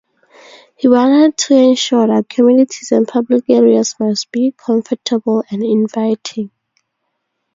He wanted to ensure that communities and public areas must be comfortable and inviting.